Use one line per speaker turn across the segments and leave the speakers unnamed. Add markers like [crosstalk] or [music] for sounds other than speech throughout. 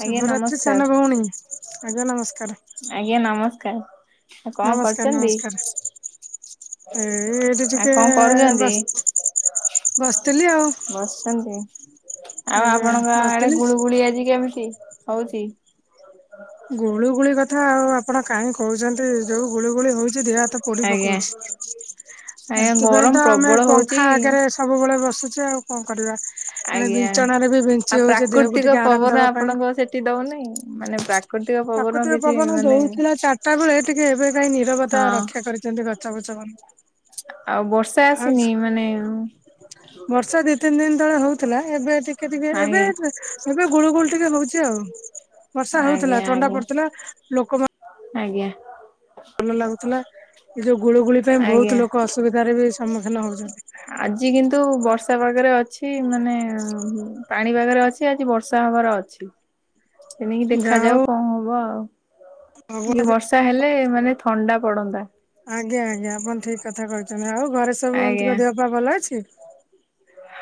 ଆଜ୍ଞା ନମସ୍କାର
ସାନ ଭଉଣୀ ଆଜ୍ଞା ନମସ୍କାର।
ଆଜ୍ଞା ନମସ୍କାର କଣ
ନମସ୍କାର
କରୁଛନ୍ତି?
ନମସ୍କାର। ଏଇ ଏଇଠି
ଆ
ଟିକେ
କଣ କରୁଛନ୍ତି?
ବସ ବସିଥିଲି ଆଉ
ବସଛନ୍ତି । ଆଉ
ଆଜ୍ଞା
ଆପଣଙ୍କ ଆଡେ
ବସିଥିଲି।
ଗୁଳୁ ଗୁଳି ଆଜି କେମିତି ହଉଛି?
ଗୁଳୁଗୁଳି କଥା ଆଉ ଆପଣ କାହିଁହୁଛନ୍ତି ଯୋଉ ଗୁଳୁଗୁଳି ହଉଛି ଦେହ ହାତ ପୋଡି
ଆଜ୍ଞା
ପକଉଛି ।
ଆଜ୍ଞା
ସେଥିପାଇଁ
ଗରମ
ତ ଆମେ
ପ୍ରବଳ ହଉଛି
ପଙ୍ଖା ଆଗରେ ସବୁବେଳେ ବସୁଛେ ଆଉ କଣ କରିବା। ମାନେ
ଆଜ୍ଞା
ବିଞ୍ଚଣାରେ ବି ବିଞ୍ଚି
ଆଉ
ହଉଛେ ଦେହକୁ ଟିକେ
ପ୍ରାକୃତିକ
ଆରାମ
ପବନ
ଦବା ପାଇଁ।
ଆପଣଙ୍କ ସେଠି ଦଉନହିଁ? ମାନେ ପ୍ରାକୃତି
ପ୍ରାକୃତିକ ପବନ ଦଉଥିଲା ଚାରିଟା ବେଳେ ଟିକେ ଏବେ କାହିଁ ନିରବତା
ହଁ
ରକ୍ଷା କରିଛନ୍ତି ଗଛ ଫଛ [inaudible]
ଆଉ ବର୍ଷା
ଆଉସ
ଆସିନି ମାନେ
ବର୍ଷା ଦି ତିନି ଦିନ ତଳେ ହଉ ଏବେ ଟିକେ ଟିକେ ଏବେ
ଆଜ୍ଞା
ଏବେ ଗୁଳୁ ଗୁଳି ଟିକେ ହଉଛି ଆଉ। ବର୍ଷା ହଉଥିଲା
ଆଜ୍ଞା
ଥଣ୍ଡା
ଆଜ୍ଞା
ପଡିୁଥିଲା ଲୋକମା
ଆଜ୍ଞା।
ଭଲ ଲାଗୁଥିଲା ଏ ଯୋଉ ଗୁଳୁଗୁଳି ପାଇଁ ବହୁତ
ଆଜ୍ଞା।
ଲୋକ ଅସୁବିଧାରେ ବି ସମ୍ମୁଖୀନ ହଉଛନ୍ତି ।
ରେ ଅଛି ମାନେ ପାଣିପାଗରେ ଅଛି ଆଜି ବର୍ଷା ହବାର ଅଛି ତେଣିକି
ଯାହା
ଦେଖାଯାଉ
ହଉ
କଣ ହବ ଆଉ ଟିକେ
ଭଗବାନ
ବର୍ଷା ହେଲେ ମାନେ ଥଣ୍ଡା ପଡନ୍ତା।
ଆଜ୍ଞା ଆଜ୍ଞା ଆପଣ ଠିକ କଥା କହିଛନ୍ତି ଆଉ ଘରେ ସବୁ
ଆଜ୍ଞା
ତିଙ୍କ ଦେହ ପା ଭଲ ଅଛି?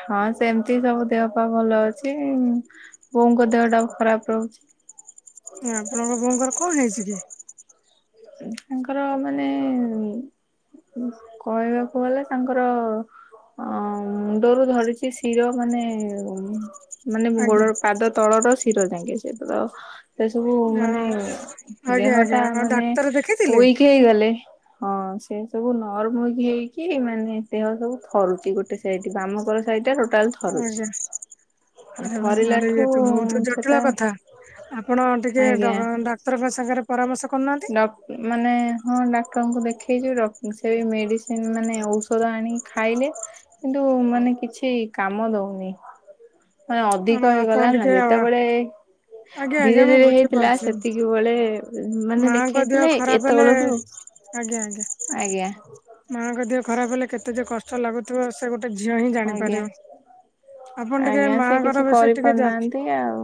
ହଁ ସେମିତି ସବୁ ଦେହ ପା ଭଲ ଅଛି ବୋଉଙ୍କ ଦେହ ଟା ଖରାପ ରହୁଚି।
ଆପଣଙ୍କ ବୋଉଙ୍କର କଣ ହେଇଛି କି?
ତାଙ୍କର ମାନେ କହିବାକୁ ଗଲେ ତାଙ୍କର ଅଁ ମୁଣ୍ଡରୁ ଧରିଚି ଶିର ମାନେ ମାନେ
ଆଜ୍ଞା
ଗୋଡର ପାଦ ତଳର ଶିର ଜାଙ୍କେ ସେ ତାର ଏ ସବୁ
ଆଉ
ମାନେ
ଆଜ୍ଞା
ଦେହ
ଆଜ୍ଞା
ଟା
ଆଉ
ମାନେ
ଡାକ୍ତର ଦେଖେଇଥିଲେ?
ଉଇକ୍ ହେଇଗଲେ ହଁ ସେ ସବୁ ନରର୍ମ ହେଇକି ମାନେ ଦେହ ସବୁ ଥରୁଚି ଗୋଟେ ସାଇଟି ବାମଙ୍କର ସାଇଟ ଟା ଟୋଟା ଟାଲ୍ ଥରୁଛି
ଆଜ୍ଞା
ଆଉ
ଆରେ
ଥରିଲା
ଆରେ ଇଏ
ଠୁ ଉଁ
ତ ବହୁତ
ଉଁ
ଜଟିଳ
ସେଟା
କଥା। ଆପଣ ଟିକେ ଡ଼ ଡାକ୍ତରଙ୍କ ସାଙ୍ଗରେ ପରାମର୍ଶ କରୁନାହାନ୍ତି।
ଡକ୍ଟ ମାନେ ହଁ ଡାକ୍ତରଙ୍କୁ ଦେଖେଇଚୁ ଡ଼କ୍ଟ ସେ ମେଡିସିନ ମାନେ ଔଷଧ ଆଣି ଖାଇଲେ କିନ୍ତୁ କୁ ମାନେ କିଛି କାମ ଦଉନି ମାନେ
ହଁ
ଅଧିକ କ
ଆପଣ
ହେଇଗଲା ନା
ଟିକେ
ଯେତେବେଳେ
ଆଜ୍ଞା ଆଜ୍ଞା
ଧୀରେ
ମୁଁ
ଧୀରେ ହେଇଥିଲା
ବୁଝିପାରୁଛି
ସେତିକି ବେଳେ ଉଁ ମାନେ
ମାଙ୍କ
ଦେଖେଇ
ଦେହ
ଥିଲେ
ଖରାପ
ଏତେ
ହେଲେ
ବଳକୁ
ଆଜ୍ଞା ଆଜ୍ଞା ମାଙ୍କ ଦେହ ଖରାପ ହେଲେ କେତେ ଯେ କଷ୍ଟ ଲାଗୁଥିବ ସେ ଗୋଟେ ଟେ ଝିଅ ହିଁ
ଆଜ୍ଞା
ଜାଣିପାରିବ ଆପଣ ଟିକେ ମାଙ୍କର ବେଶୀ ଟିକେ ଯା
କରୁନାହାନ୍ତି ଆଉ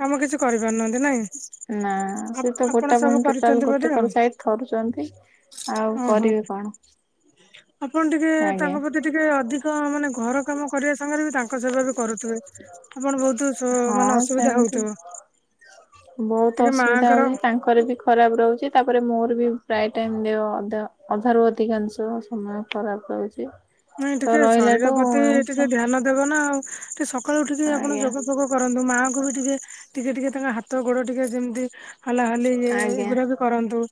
କାମ କିଛି କରିପାରୁନାହାନ୍ତି ନାଇଁ?
ନା ସେ ତ
ଆପଣ
ଗୋଟା
ସବୁ
ପୁଣି ଟୋଟାଲ
କରିଛନ୍ତି ବୋଧେ
ଗୋଟେ
ଆଉ
କର ସାଇଡ ଥରୁଚନ୍ତି ଆଉ
ଓହୋ
କରିବେ କଣ?
ଆପଣ ଟିକେ
ଆଜ୍ଞା
ତାଙ୍କ ପ୍ରତି ଟିକେ ଅଧିକ ମାନେ ଘର କାମ କରିବା ସାଙ୍ଗରେ ବି ତାଙ୍କ ସେବା ବି କରୁଥିବେ ପଣ ବହୁତ ସୁ ମାନେ
ହଁ
ଅସୁବିଧା
ସେମିତି
ହଉଥିବ
ବହୁତ
ଟିକେ
ଅସୁବିଧା
ମାଆଙ୍କର
ହଉଛି ତାଙ୍କର ବି ଖରାପ ର ରହୁଛି ତାପରେ ମୋର ବି ପ୍ରାୟ ଟାଇମ୍ ଦେହ ଅଧା ଅଧାରୁ ଅଧିକାଂଶ ସମୟ ଖରାପ ରହୁଚି।
ନାଇଁ ଟିକେ ଶରୀର ପ୍ରତି ଟିକେ ଧ୍ୟାନ ଦେବ ନା ଆଉ ଟିକେ ସ ସକାଳୁ ଉଠିକି ଆପଣ
ଆଜ୍ଞା
ଯୋଗ ଫୋଗ କରନ୍ତୁ ମାଆଙ୍କୁ ବି ଟିକେ ଟିକେ ଟିକେ ତାଙ୍କ ହାତ ଗୋଡ଼ ଟିକେ ଯେମିତି ହଲା ହଲି ଇଏ ଏଗୁରା ବି କରନ୍ତୁ।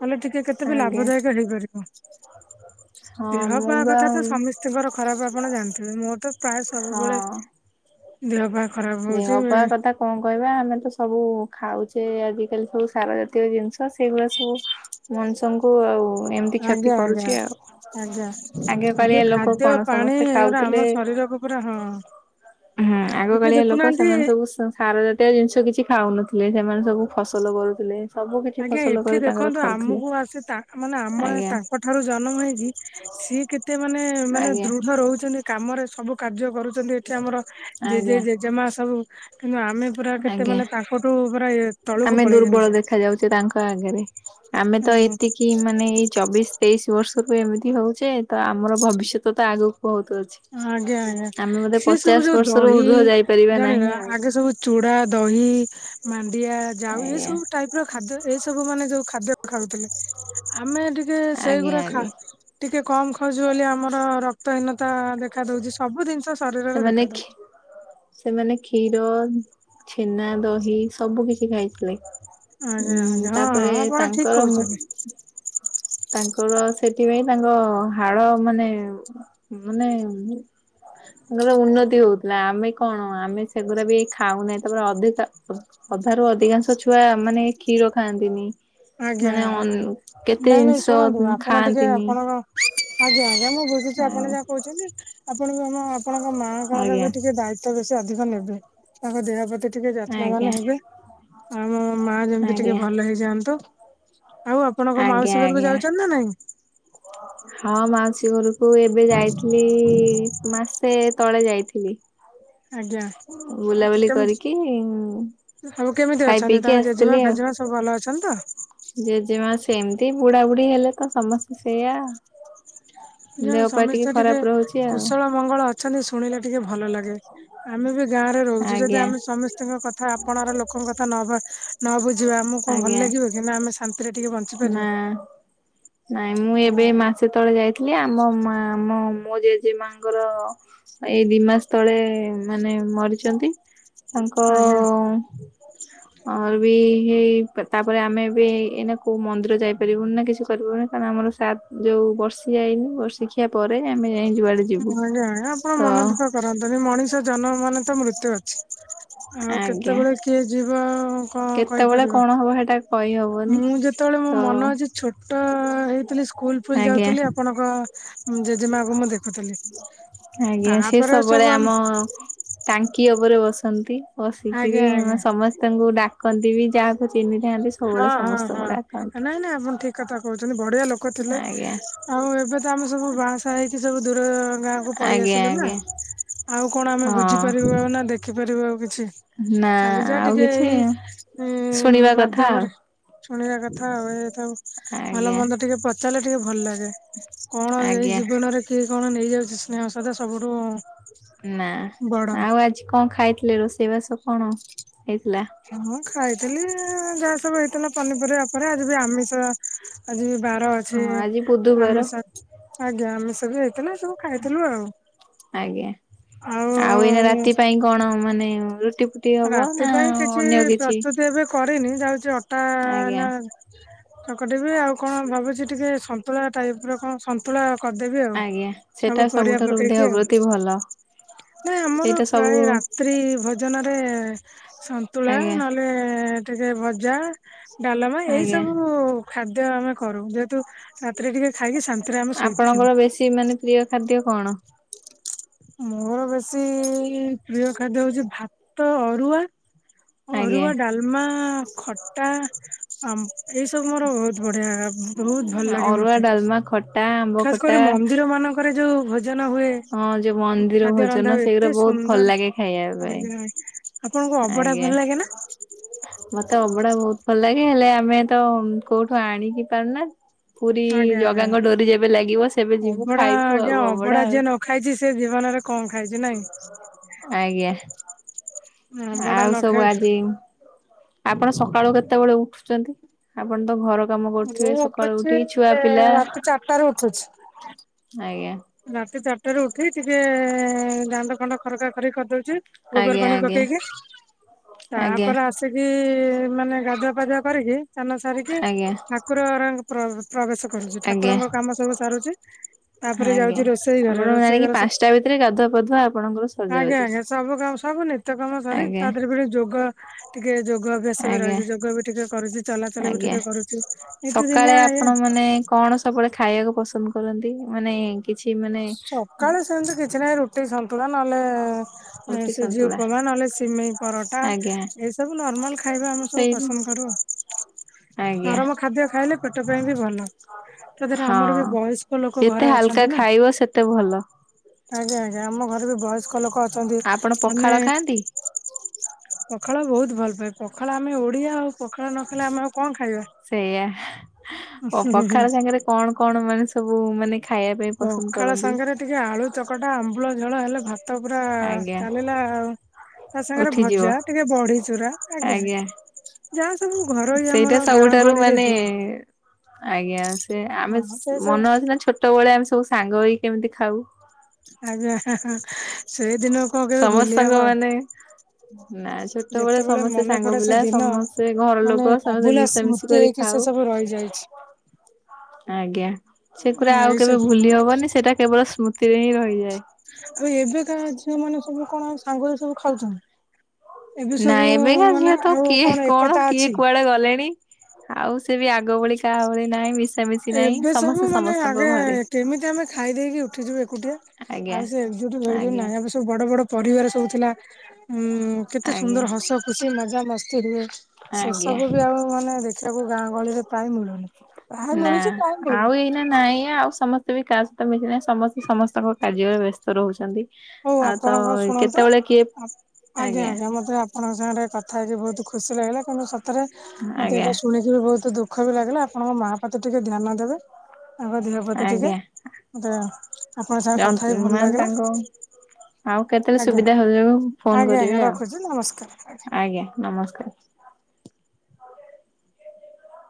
କଲେ ଟିକେ କେତେ ବି
ଆଜ୍ଞା
ଲାଭଦାୟକ ହେଇପାରିବ।
ହଁ ମୁଁ
ଟ
ବା
ତ ସମସ୍ତଙ୍କର ଖରାପ ଆପଣ ଜାଣିଥିବେ ମୋର ତ ପ୍ରାୟ ସବୁବେଳେ
ହଁ।
ଦେହ ପା ଖରାପ
ଦେହ
ହଉଛି
ପା କଥା କଣ କହିବା ଆମେ ତ ସବୁ ଖାଉଛେ ଆଜିକାଲି ସବୁ ସାର ଜାତୀୟ ଜିନିଷ ସେଇଗୁରା ସବୁ ମଣିଷଙ୍କୁ ଆଉ ଏମିତି କ୍ଷତି
ଆଜ୍ଞା
କରୁଛି
ଆଜ୍ଞା
ଆଉ
ଆଜ୍ଞା
ଆଗେ
ଯୋଉ
କାଳିଆ ଲୋକ
ଖାଦ୍ୟ
କଣ
ପାଣି
ସମସ୍ତେ
ଏଗୁରା ଆମ
ଖାଉଥିଲେ
ଶରୀର ହ ପରା ହଁ।
ହୁଁ
ଏବେ
ଆଗକାଳିଆ ଲୋକ ସେ
ଦେଖୁନାହାନ୍ତି
ସେମାନେ ସବୁ ସା ସାର ଜାତୀୟ ଜିନିଷ କିଛି ଖାଉନଥିଲେ ସେମାନେ ସବୁ ଫସଲ କରୁଥିଲେ ସବୁ କିଛି
ଆଜ୍ଞା
ଫସଲ
ଏଠି
କରି ତାଙ୍କର
ଦେଖନ୍ତୁ
ଖାଉଥିଲେ
ଆମକୁ ଆସି ତା ମାନେ ଆମେ
ଆଜ୍ଞା
ତାଙ୍କ ଠାରୁ ଜନମ ହେଇକି ସିଏ କେ ଏତେ ମାନେ ମାନେ
ଆଜ୍ଞା
ଦୃଢ ରହୁଛନ୍ତି କାମରେ ସବୁ କାର୍ଯ୍ୟ କରୁ ଚନ୍ତି ଏଠି ଆମର ଜେଜେ
ଆଜ୍ଞା
ଜେଜେମା ସବୁ। କିନ୍ତୁ ଆମେ ପୁରା କେତେ
ଆଜ୍ଞା
ମାନେ ତାଙ୍କଠୁ ପୁରା ଇଏ ତଳକୁ ପଳେଇ ଯାଉଛେ।
ସେ ତାଙ୍କ ଆଗେରେ ଆମେ ତ
ହୁଁ
ଏତିକି ମାନେ ଏଇ ଛୋ ଚବିଶ ତେଇଶି ବର୍ଷରୁ ଏମିତି ହଉଛେ ତ ଆମର ଭବିଷ୍ୟତ ତ ଆଗ
ଆଜ୍ଞା ଆଜ୍ଞା ସେ
ପଚାଶ
ସବୁ ଯୋଉ
ବର୍ଷରୁ
ଦହି
ଉର୍ଦ୍ଧ୍ୱ ଯାଇପାରିବା ନାହିଁ
ଜାଣିବା
ଆଉ
ଆଗେ ସବୁ ଚୁଡା ଦହି ମାଣ୍ଡିଆ ଯାଉ ଏ
ଆଜ୍ଞା
ସବୁ ଟାଇପ ର ଖାଦ୍ୟ ଏ ସବୁ ମାନେ ଯୋଉ ଖାଦ୍ୟ ଖାଉଥିଲେ। ଆମେ ଟିକେ
ଆଜ୍ଞା
ସେଇଗୁରା ଖା
ଆଜ୍ଞା
ଟିକେ କମ ଖାଉଚୁ ବୋଲି ଆମର ରକ୍ତହୀନ ତା ଦେଖା ଦଉଛି ସବୁ ଜିନିଷ
ସେମାନେ
ଦେଖା
ଖି
ଦଉଛି।
ସେମାନେ ଖିର ର ଛେନା ଦହି ସବୁ କିଛି ଖାଇଥିଲେ।
ଆଜ୍ଞା
ହୁଁ
ଆଜ୍ଞା ହଁ
ତାପରେ
ହଁ ଆପଣ ଠିକ
ତାଙ୍କର ମୁଁ।
କହୁଛନ୍ତି
ତାଙ୍କର ସେଥିପାଇଁ ତାଙ୍କ ହାଡ ମାନେ। ମାନେ। ତାଙ୍କର ଉନ୍ନତି ହଉଥିଲା ଆମେ କଣ ଆମେ ସେଗୁରା ବି ଖାଉନେ ତାପରେ ଅଧିକା। ଅଧାରୁ ଅଧିକାଂଶ ଛୁଆ ମାନେ କ୍ଷୀର ଖାଆନ୍ତିନି
ଆଜ୍ଞା
ମାନେ ଅ
ଆଜ୍ଞା
କେ
ନାଇଁ ନାଇଁ ଶୁଣନ୍ତୁ ଆପଣ ଟିକେ ଆପଣଙ୍କ। ଆଜ୍ଞା ଆଜ୍ଞା ମୁଁ ବୁଝୁଛି ଆପଣ ଯାହା କହୁଛନ୍ତି ଆପଣ ବି ଆମ। ଆପଣଙ୍କ ମା
ଆଜ୍ଞା
ଙ୍କର
ଆଜ୍ଞା
ବି ଟିକେ ଦାୟିତ୍ୱ ବେଶୀ ଅଧିକ ନେବେ ତାଙ୍କ ଦେହ ପ୍ରତି। ଟିକେ
ଆଜ୍ଞା
ଯତ୍ନବାନ ହେବେ ଆ ଆମ ମା ଯେମିତି ଟିକେ ଭଲ ହେଇଯାଆନ୍ତୁ। ଆଉ ଆପଣଙ୍କ ମାଉସୀ
ଆଜ୍ଞା
ଘରକୁ
ଆଜ୍ଞା
ଯାଉଛନ୍ତି ନା ନାଇଁ
ହଁ ମା ସି ଘରକୁ ଏବେ ଯାଇଥିଲି ମାସେ ତଳେ ଯାଇଥିଲି।
ଆଜ୍ଞା। ଆଉ
ବୁଲାବୁଲି
କେମିତି
କରିକି।
ସବୁ କେମିତି
ଖାଇ
ଅଛନ୍ତି
ପିଇକି
ତାଙ୍କ ଜେଜେମା
ଆସିଥିଲି ଆଉ।
ଫେଜେମା ସବୁ ଭଲ ଅଛନ୍ତି ତ।
ଜେଜେମା ସେମିତି ବୁଢା ବୁଢୀ ହେଲେ ତ ସମସ୍ତେ ସେଇଆ।
ଯା
ଦେହ ପା
ସମସ୍ତେ ଟିକେ
ଖରାପ ରହୁଛି ଆଉ
କୁଶଳ ମଙ୍ଗଳ ଅଛନ୍ତି ଶୁଣିଲେ ଟିକେ ଭଲ ଲାଗେ। ଆମେ ବି ଗାଁ ରେ ରହୁଛୁ ଯଦି
ଆଜ୍ଞା
ଆମେ ସମସ୍ତଙ୍କ କଥା ଆପଣାର ଲୋକଙ୍କ କଥା ନ ବା ନ ବୁଝ ଝିବା ଆମକୁ କଣ ଭଲ
ଆଜ୍ଞା
ଲାଗିବ କି ନା ଆମେ ଶାନ୍ତିରେ ଟିକେ
ନା।
ବଞ୍ଚିପାରିବା।
ନାଇଁ ମୁଁ ଏବେ ଏ ମାସେ ତଳେ ଯାଇ ଥିଲି ଆମ ମା ଆମ ମୋ ଜେଜେ ମାଙ୍କର ଏଇ ଦି ମାସ ତଳେ ମାନେ। ମରିଛନ୍ତି ତାଙ୍କ।
ଆଜ୍ଞା
ଅଁ ମୋର ବି ହେଇ ପା ତାପରେ ଆମେ ବି ଏ-ଏଇନା। କୋଉ ମନ୍ଦିର ଯାଇପାରିବୁନି ନା କିଛି କରିବୁନି କାରଣ ଆମର ସା ଯୋଉ ବର୍ଷି ଯାଇନି ବର୍ଷିକିଆ ପରେ। ଆମେ ଯାଇ ଯୁଆଡେ
[unintelligible]
ଯିବୁ
ଆପଣ
ତ
ମନ ଦୁଃଖ କରନ୍ତୁନି ମଣିଷ ଜନମ ମାନେ ତ ମୃତ୍ୟୁ ଅ ଆଉ
ଆଜ୍ଞା।
କେତେବେଳେ କିଏ ଯିବ ଆଉ କଣ
କେତେବେଳେ
କହିପାରିବା।
କଣ ହବ ସେଟା କହିହବନି
ମୁଁ ଯେତେବେଳେ ମୋ
ତ
ମନ ଅଛି ଛୋଟ ହେଇଥିଲି ସ୍କୁଲ ଫୁଲ
ଆଜ୍ଞା
ଯାଉଥିଲି ଆପଣଙ୍କ। ଜେଜେମା କୁ ମୁଁ ଦେଖୁଥିଲି
ଆଜ୍ଞା
ତାପରେ ସବୁ ଆମ।
ଖୀଅ ଉପରେ ବସନ୍ତି ବସିକିରି
ଆଜ୍ଞା ଆଜ୍ଞା
ମ ସମସ୍ତଙ୍କୁ ଡା କନ୍ତି ବି ଯାହାକୁ ଚିହ୍ନିଥାନ୍ତି ସବୁବେଳେ
ହଁ ହଁ ହଁ
ସମସ୍ତଙ୍କୁ ଡାକନ୍ତି।
କୁଥିଲେ
ଆଜ୍ଞା
ଆଉ ଏବେ ତ ଆମ ସବୁ ବାହାସା ହେଇକି ସବୁ ଦୁ ଅ ଗାଁକୁ ପଳେଇ
ଆଜ୍ଞା
ଆସିଲୁ ନା।
ଆଜ୍ଞା
ଆଉ କଣ ଆମେ
ହଁ
ବୁଝିପାରିବୁ ଆଉ ନା ଦେଖିପାରିବୁ ଆଉ କିଛି
ନା
ଖାଲି ଯା
ଆଉ
ଟିକେ
କିଛି
ଏଇ। ଉଁ
ଶୁଣିବା କଥା ଆଉ।
ମାଧ୍ୟମରେ ଶୁଣିବା କଥା ଆଉ ଏ ସବୁ ଭଲ
ଆଜ୍ଞା
ମନ୍ଦ ଟିକେ ପଚାରିଲେ ଟିକେ ଭଲ ଲାଗେ। କଣ ଏଇ
ଆଜ୍ଞା
ଜୀବନରେ କିଏ କଣ ନେଇଯାଉଛି ସ୍ନେହ ସଧା ସବୁଠୁ।
ନା
ବଡ।
ଆଉ ଆଜି କଣ ଖାଇଥିଲେ ରୋଷେଇ ବାସ କଣ ହେ
ହଁ ହଁ ଖା ଖାଇଥିଲି ଯାହା ସବୁ ହେଇଥିଲା ପନିପରିବା ଉପରେ ଆଜି ବି ଆମିଷ ଆଜି। ବାର ଅଛି
ହଁ ଆଜି ବୁଧବାର
ଆମିଷ। ଆଜ୍ଞା ଆମିଷ ବି ହେଇଥିଲା ସବୁ ଖାଇଥିଲୁ ଆଉ।
ଆଜ୍ଞା ଆଉ ଏଇନା ରାତି ପାଇଁ କଣ ମାନେ ରୁଟି ଟି ହବ ନା ଅନ୍ୟ କିଛି?
କରେନି ଯାଉଚି ଅଟା
ଆଜ୍ଞା
ନା ଚକଟିବି ଆଉ କଣ ଭାବୁଚି ଟିକେ ସନ୍ତୁଳା ଟାଇପ ର କଣ ସନ୍ତୁଳା କରିଦେବି ଆଉ
ଆଜ୍ଞା ସେଟା
ସବୁ ପରିବା
ସବୁଠାରୁ ଦେହ
ପକେଇକି ଆଉ।
ପ୍ରତି ଭଲ।
ନା ଆମର
ସେଇଟା ସବୁ
ପ୍ରାୟ ରାତ୍ରି ଭୋଜନରେ ଏ ସନ୍ତୁଳା
ଆଜ୍ଞା
ନହେଲେ ଟିକେ ଭଜା। ଡାଲମା ଏଇ
ଆଜ୍ଞା
ସବୁ ଖାଦ୍ୟ ଆମେ କରୁ ଯେହେତୁ ରାତିରେ ଟିକେ ଖାଇକି ଶାନ୍ତିରେ ଆମେ ଶୋଇପାରିବୁ
ଆପଣଙ୍କର ବେଶୀ ମାନେ ପ୍ରିୟ ଖାଦ୍ୟ କଣ?
ମୋର ବେଶୀ ପ୍ରିୟ ଖାଦ୍ୟ ହଉଚି ଭାତ ଅରୁଆ।
ଆଜ୍ଞା
ଅରୁଆ ଡାଲମା ଖଟା ଆମ୍ ଏଇ ସବୁ ମୋର ବହୁତ ଭ ଆ ବହୁତ ଭଲ ଲାଗେ
ଅରୁଆ
ମତେ
ଡାଲମା ଖଟା ଆମ୍ବ
ଖାସ
ଖଟା
କରି ମନ୍ଦିର ମାନଙ୍କରେ ଯୋଉ ଭୋଜନ। ହୁଏ
ହଁ ଯୋଉ ମନ୍ଦିର
ଖାଦ୍ୟ
ଭୋଜନ
ରନ୍ଧା ହୁଏ
ସେଗୁରା
ଏତେ
ବହୁତ ଭଲ
ସୁନ୍ଦର
ଲାଗେ ଖାଇବା
।
ପାଇଁ
[unintelligible] ଆପଣଙ୍କୁ ଅବଡା
[unintelligible] ମତେ ଅ ବଡା ବହୁତ ଭଲ ଲାଗେ ହେଲେ ଆମେ ତ କୋଉଠୁ ଆଣିକି ପାରୁନା। ପୁରୀ
ଆଜ୍ଞା
ଜଗା
ଆଜ୍ଞା
ଙ୍କ ଡୋରି ଯେବେ ଲାଗିବ ସେବେ ଯିବୁ
ଅବଢା
ଖାଇବୁ
ଆଜ୍ଞା
ଆଉ
ଅବଢା
ଅବଡା ଆଉ।
ଯିଏ ନ ଖାଇଛି ସେ ଜୀବନରେ କଣ ଖାଇଚୁ ନାଇଁ?
ଆଜ୍ଞା
ଅବଢା ନ
ଆଉ ସବୁ
ଖାଇ
ଆଜି ଆପଣ ସକାଳୁ କେତବେଳେ ଉଠୁଚନ୍ତି ଆପଣ ତ ଘର କାମ
ମୁ
କରୁଥିବେ ସକାଳୁ
ଉଠୁଚି
ଉଠି ଛୁଆ
ଏ
ପିଲା
ରାତି ଚାର ଟା ରେ ଉଠୁଛି।
ଆଜ୍ଞା।
ରାତି ଚାରିଟାରେ ଉଠିକି ଟିକେ ଦାଣ୍ଡ ଫାଣ୍ଡ ଖରକା ଖରିକି କରିଦଉଚି। ଗୋବର
ଆଜ୍ଞା
ପାଣି
ଆଜ୍ଞା
ପକେଇକି
ଆଜ୍ଞା
ତାପରେ ଆସିକି ମାନେ ଗାଧୁଆ ପାଧୁଆ କରିକି ସାନ ସାରିକି
ଆଜ୍ଞା
ଠାକୁର ଘର [unintelligible] ପ୍ରବେଶ କରୁଚି
ଆଜ୍ଞା
ଠାକୁରଙ୍କ କାମ ସବୁ ସାରୁଚି। ପରେ
ଆଜ୍ଞା।
ଯାଉଚି ରୋଷେଇ ଘରେ
ଆମର
ରୋଷେଇ
ଜାଣିକି
ଘର ସ
ପାଞ୍ଚଟା ଭିତରେ ଗାଧୁଆ ପାଧୁଆ ଆପଣଙ୍କର
ଆଜ୍ଞା
ସରିଯାଉଛି
ଆଜ୍ଞା ସବୁ କାମ ସବୁ ନିତ୍ୟ କାମ ସରି
ଆଜ୍ଞା
ତା ଦେହରେ ବି ଯୋଗ ଟିକେ ଯୋ ଗ ଅଭ୍ୟାସ ବି
ଆଜ୍ଞା।
ରହିଚି ଯୋଗ ବି ଟିକେ କରୁଚି ଚଲାଚଲି ବି
ଆଜ୍ଞା।
ଟିକେ କରୁଚି ନିତି
ସକାଳେ
ଦିନିଆ
ଆପଣ
ଏଇଆ।
ମାନେ କଣ ସବୁବେଳେ ଖାଇବାକୁ ପସନ୍ଦ କରନ୍ତି ମାନେ କିଛି ମାନେ
ସକାଳେ ସେମିତି କିଛି ନାଇଁ ରୁଟି ସନ୍ତୁଳା। ନହେଲେ
ରୁଟି
ସୁଜି
ସନ୍ତୁଳା
ଉପମା ନହେଲେ ସିମେଇ। ପରଟା
ଆଜ୍ଞା
ଏଇସବୁ ନର୍ମାଲ୍ ଖାଇବା ଆମେ ସବୁ
ସେଇ
ପସନ୍ଦ କରୁ ଆଉ।
ଆଜ୍ଞା
ନରମ ଖାଦ୍ୟ ଖାଇଲେ ପେଟ ପାଇଁ ବି ଭଲ। ତା ଧିଅରେ ଆମର ବି
ହଁ।
ବୟସ୍କ ଲୋକ ଘରେ ଅଛନ୍ତି ନା।
ଏତେ ଭଲ।
ଆଜ୍ଞା ଆଜ୍ଞା ଆମ ଘରେ ବି ବୟସ୍କ ଲୋକ ଅଛନ୍ତି।
ଆପଣ ପଖାଳ
ଆମେ
ଖାଆନ୍ତି?
ପଖାଳ ବହୁତ ଭଲ ପାଏ ପଖାଳ ଆମେ ଓଡିଆ ଆଉ। ପଖାଳ ନ ଖାଇଲେ ଆମେ ଆଉ କଣ ଖାଇବା?
ସେଇଆ ଓ ପଖାଳ ସାଙ୍ଗରେ କଣ କଣ ମାନେ ସବୁ ମାନେ ଖାଇବା ପାଇଁ ପସନ୍ଦ
ପଖାଳ
କରନ୍ତି?
ସାଙ୍ଗରେ ଟିକେ ଆଳୁ ଚକଟା ଆମ୍ବୁଳ ଝୋଳ ହେଲେ ତ ପୁରା
ଆଜ୍ଞା
ଚାଲିଲା ଆଉ। ତା ସାଙ୍ଗରେ
ଉଠିଯିବ
ଭଜା ଟିକେ ବଢି ଚୁରା ଆଜ୍ଞା ଆଜ୍ଞା। ଯାହା ସବୁ ଘରୋଇ
ସେଇଟା
ଆମର ଗାଁ
ସବୁଠାରୁ
ଗହଳିରେ
ମାନେ
ହୁଏ।
ଆଜ୍ଞା ସେ ଆମେସ୍
ହଁ ସେ ସବୁ
ମନ ଅଛି ନା ଛୋଟ ବେଳେ ଆମେ ସବୁ ସାଙ୍ଗ ହେଇକି କେମିତି ଖାଉ?
ଆଜ୍ଞା ହାଁ ହାଁ ସେଇଦିନ କଣ କେବେ ଭୁଲି
ସମସ୍ତଙ୍କ
ହବ?
ମାନେ ନା ଛୋଟବେଳେ
ଯେତେବେଳେ
ସମସ୍ତେ
ମନ
ସାଙ୍ଗ
ପଡେ ସେ
ପିଲା
ଦିନ
ସମସ୍ତେ ଘର ଲୋକ
ମାନେ
ସମସ୍ତେ
ଅଭୁଲା
ମିଶାମିଶି
ସ୍ମୃତି
କରି
ହେଇକି।
ଖାଉ।
ସେ ସବୁ ରଇଯାଇଛି।
ଆଜ୍ଞା ସେ ଗୁରା ଆଉ
ଏଇ
କେବେ
ସବୁ
ଭୁଲି ହବନି ସେଟା କେବଳ ସ୍ମୃତିରେ ହିଁ ରହିଯାଏ।
ଆଉ ଏବେକା ଝିଅ ମାନେ ସବୁ କଣ ସାଙ୍ଗରେ ସବୁ ଖାଉଚନ୍ତି?
ନାଇ ଏବେକା ଝିଅ ତ କିଏ କଣ
ଏକତା
କିଏ
ଅଛି
କୁଆଡେ ଗଲେଣି। ଆଉ ସେ ବି ଆଗ ଭଳି କା ଆଉ ନାହିଁ ମିସି
ଏବେ ସବୁ ମାନେ, ଆଗେ କେମିତି ଆମେ ଖାଇଦେଇକି ଉଠି ଯିବୁ ଏକୁଟିଆ।
ଆଜ୍ଞା
ଆଉ ସେ ଏକଜୁଟ୍ ଭାଲିଆ
ଆଜ୍ଞା
ନାଇଁ। ଆମ ସବୁ ବଡ ବଡ ପରିବାର ସବୁ ଥିଲା। ହୁଁ କେତେ ସୁନ୍ଦର,
ଆଜ୍ଞା
ହସ, ଖୁସି ମଜା ମସ୍ତି ହୁଏ
ଆଜ୍ଞା
।ସେସବୁ ବି ଆଉ ମାନେ ଦେଖ ସବୁ ଗାଁ ଗହଳିରେ ପ୍ରାୟ ମିଳୁନି। ପ୍ରାୟ ମିଳୁଛି ।
ନା, ଆଉ ଏଇନା ନାଇଁ, ଆଉ ସମସ୍ତେ କେତେ ବି କାହା ସହିତ ମିସି ନାହିଁ ସମସ୍ତେ, ସମସ୍ତଙ୍କ କାର୍ଯ୍ୟରେ, ବ୍ୟସ୍ତ ରହୁଛନ୍ତି।
ହଉ
ଆଉ ତ
ଆପଣଙ୍କ ଶୁଣନ୍ତୁ,
କେତେବେଳେ କିଏ
ଆଜ୍ଞା ଆଜ୍ଞା। ମତେ ଆପଣଙ୍କ ସାଙ୍ଗରେ କଥା ହେଇକି ବହୁତ ଖୁସି ଲାଗିଲା। କିନ୍ତୁ ସତରେ ମତେ
ଆଜ୍ଞା
ଏଇଟା ଶୁଣିକି ବି ବହୁତ ଦୁଃ ଦୁଃଖ ବି ଲାଗିଲା ।ଆପଣଙ୍କ ମା ପତି ଟିକେ ଧ୍ୟାନ ଦେବେ। ତାଙ୍କ ଦେହ ପ୍ରତି ଟିକେ,
ଆଜ୍ଞା।
ମୋତେ ଆପଣଙ୍କ ସାଙ୍ଗରେ କଥା ହେଇକି ଟିକେ, ଭଲ
ମାନେ
ଲାଗିଲା।
ତାଙ୍କ ଆଉ କେତେବେଳେ
ଆଜ୍ଞା।
ସୁବିଧା ହଲେ, ଫୋନ
ଆଜ୍ଞା
କରି
ଆଜ୍ଞା
ବେ
ରଖୁଛି ନମସ୍କାର
।ଆଜ୍ଞା, ନମସ୍କାର। ନମସ୍କାର [unintelligible]